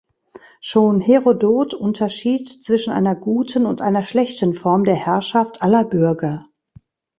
Schon Herodot unterschied zwischen einer guten und einer schlechten Form der Herrschaft aller Bürger.